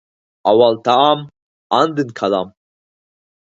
ئاۋۋال تائام، ئاندىن كالام.